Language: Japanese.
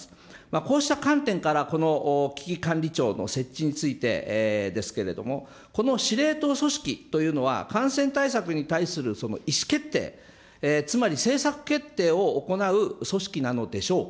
こうした観点から、この危機管理庁の設置についてですけれども、この司令塔組織というのは感染対策に対する意思決定、つまり政策決定を行う組織なのでしょうか。